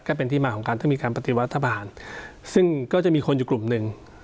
ก็เป็นที่มาของการต้องมีการปฏิวัฒนซึ่งก็จะมีคนอยู่กลุ่มหนึ่ง